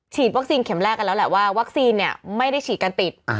ฉีดวัคซีนเข็มแรกกันแล้วแหละว่าวัคซีนเนี่ยไม่ได้ฉีดกันติด